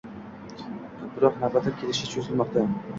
biroq navbatim kelishi cho‘zilmoqda.